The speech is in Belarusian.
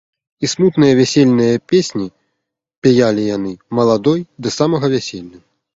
І смутныя вясельныя песні пяялі яны маладой да самага вяселля.